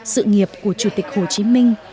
sự nghiệp của chủ tịch hồ chí minh